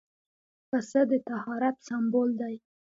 پسه د طهارت سمبول دی.